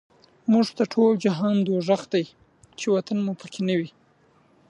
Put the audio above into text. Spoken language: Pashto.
موږ ته ټول جهان دوزخ دی، چی وطن مو په کی نه وی